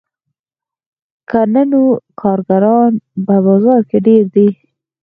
که نه نو کارګران په بازار کې ډېر دي